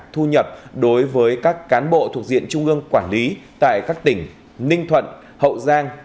thu nhập đối với các cán bộ thuộc diện trung ương quản lý tại các tỉnh ninh thuận hậu giang